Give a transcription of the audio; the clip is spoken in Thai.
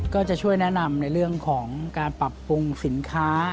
ก็จะช่วยแนะนำในเรื่องของการปรับปรุงสินค้า